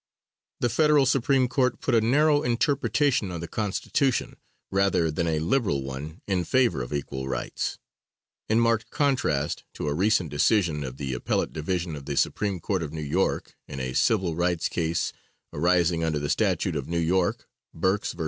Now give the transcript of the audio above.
The Federal Supreme Court put a narrow interpretation on the Constitution, rather than a liberal one in favor of equal rights; in marked contrast to a recent decision of the Appellate Division of the Supreme Court of New York in a civil rights case arising under the statute of New York, Burks vs.